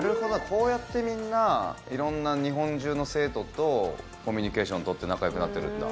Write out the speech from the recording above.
こうやってみんな色んな日本中の生徒とコミュニケーションを取って仲良くなってるんだ。